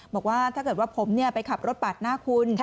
บอกว่าถ้าเกิดว่าผมไปขับรถปาดหน้าคุณ